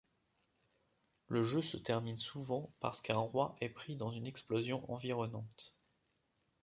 Le jeu se termine souvent parce qu'un roi est pris dans une explosion environnante.